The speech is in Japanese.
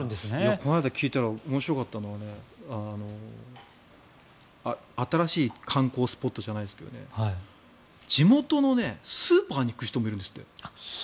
この間聞いたら面白かったのは新しい観光スポットじゃないですけど地元のスーパーに行く人もいるんですって。